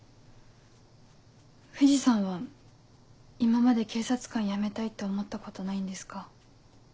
藤さんは今まで警察官辞めたいって思ったことないんですか？